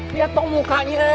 liat dong mukanya